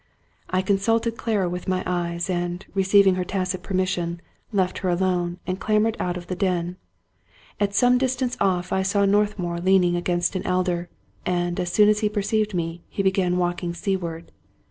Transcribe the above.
I consulted Clara with my eyes, and, receiving her tacit permission, left her alone, and clambered out of the den. At some distance off I saw Northmour leaning against an elder; and, as soon as he perceived me, he began walking seaward.